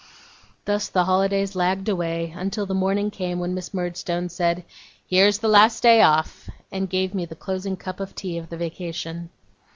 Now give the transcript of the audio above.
Thus the holidays lagged away, until the morning came when Miss Murdstone said: 'Here's the last day off!' and gave me the closing cup of tea of the vacation.